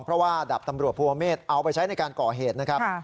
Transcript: เพราะว่าดาบตำรวจภูเมฆเอาไปใช้ในการก่อเหตุนะครับ